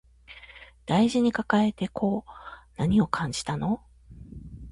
大事に抱えてこう何を感じたの